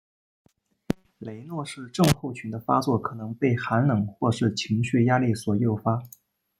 雷诺氏症候群的发作可能被寒冷或是情绪压力所诱发。